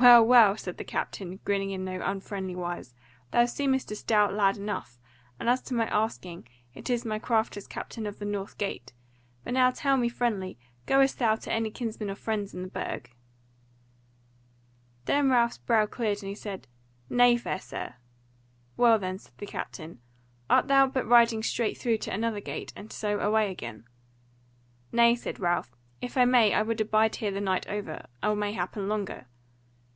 "Well, well," said the captain, grinning in no unfriendly wise, "thou seemest a stout lad enough; and as to my asking, it is my craft as captain of the North Gate: but now tell me friendly, goest thou to any kinsman or friend in the Burg?" Then Ralph's brow cleared and he said, "Nay, fair sir." "Well then," said the captain, "art thou but riding straight through to another gate, and so away again?" "Nay," said Ralph, "if I may, I would abide here the night over, or may happen longer."